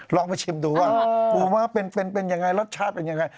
ลองไปชิมดูว่าปูม้าเป็นยังไงรสชาติเป็นยังไง